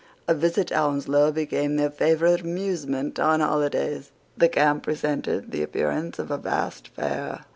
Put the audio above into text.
A visit to Hounslow became their favourite amusement on holidays. The camp presented the appearance of a vast fair.